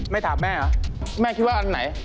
ถามแม่เหรอแม่คิดว่าอันไหน